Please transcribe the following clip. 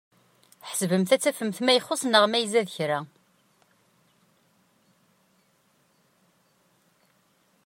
Ḥesbemt ad tafemt ma ixuṣ neɣ ma izad kra.